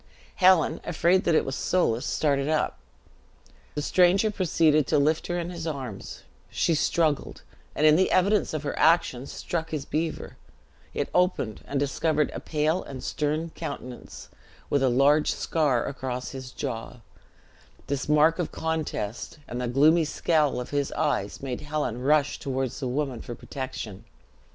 Helen, afraid that it was Soulis, started up. The stranger proceeded to lift her in his arms; she struggled, and in the evidence of her action, struck his beaver; it opened, and discovered a pale and stern countenance, with a large scar across his jaw; this mark of contest, and the gloomy scowl of his eyes, made Helen rush toward the woman for protection.